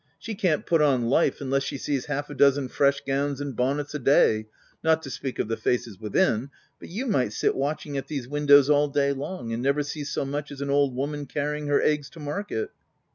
She can't put on life unless she sees half a dozen fresh gowns and bonnets a day — not to speak of the faces within ; but you might sit watching at these windows all day long, and never see so much as an old woman carrying her eggs to market."